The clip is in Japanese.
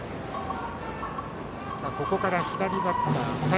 ここから左バッターが２人。